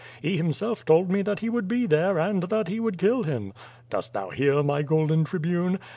He himself told me that he woiild be there, and that he would kill him. Dost thou hear, my golden Tribune?